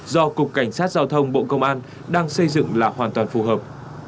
do cục cảnh sát giao thông bộ công an đang xây dựng là hoàn toàn phù hợp